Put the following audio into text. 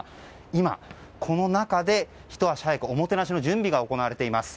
今、この中でひと足早くおもてなしの準備が行われています。